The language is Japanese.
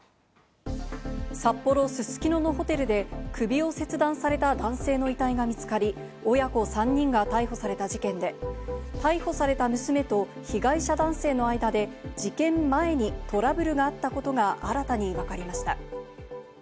札幌・すすきののホテルで首を切断された男性の遺体が見つかり、親子３人が逮捕された事件で、逮捕された娘と被害者男性の間で、事件前にトラブルがあったことが新たにわかりました。